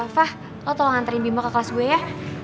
fah lo tolong anterin bima ke kelas gue ya